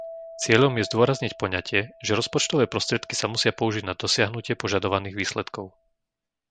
Cieľom je zdôrazniť poňatie, že rozpočtové prostriedky sa musia použiť na dosiahnutie požadovaných výsledkov.